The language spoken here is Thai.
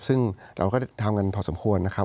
ซึ่งเราก็ทำกันพอสมควรนะครับ